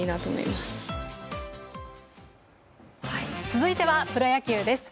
続いてはプロ野球です。